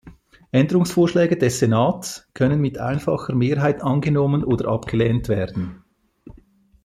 Änderungsvorschläge des Senats können mit einfacher Mehrheit angenommen oder abgelehnt werden.